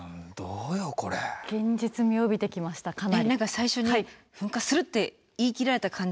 最初に「噴火する」って言い切られた感じ。